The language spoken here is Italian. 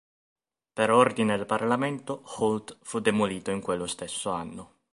Per ordine del Parlamento, Holt fu demolito in quello stesso anno.